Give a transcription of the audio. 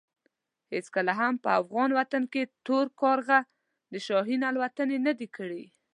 هېڅکله هم په افغان وطن کې تور کارغه د شاهین الوتنې نه دي کړې.